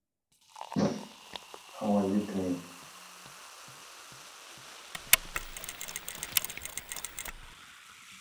Some series have received awards and prizes at national and international festivals.